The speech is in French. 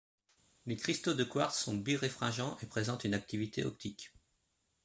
Les cristaux de quartz sont biréfringents, et présentent une activité optique.